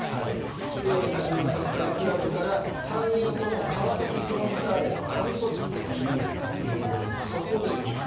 さぎぬまサッカークラブから３人とも川崎フロンターレの下部組織ユースというところですがそこに行く。